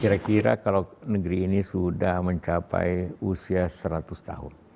kira kira kalau negeri ini sudah mencapai usia seratus tahun